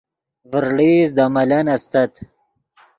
ڤرڑئیست دے ملن استت